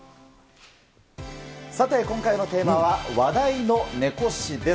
さて、今回のテーマは、話題のネコ史です。